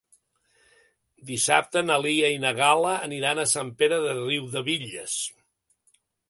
Dissabte na Lia i na Gal·la aniran a Sant Pere de Riudebitlles.